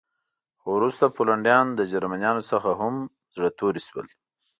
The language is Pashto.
خو وروسته پولنډیان له جرمنانو څخه هم زړه توري شول